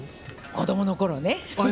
子どものころね。